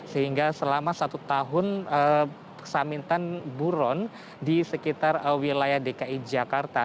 sehingga selama satu tahun samintan buron di sekitar wilayah dki jakarta